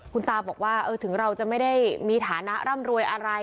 คุณตาบอกว่าถึงเราจะไม่ได้มีฐานะร่ำรวยอะไร